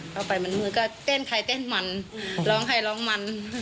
เข้าไปมันมือก็เต้นใครเต้นมันร้องใครร้องมัน